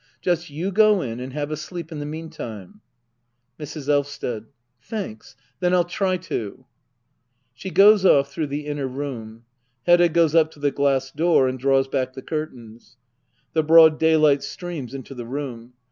Just you go in and have a sleep in the meantime. Mrs. Elvsted. Thanks ; then I'll try to. [She goes ojf through the inner room. [Hedda goes up to the glass door and draws back the curtains. The broad daylight streams into the room.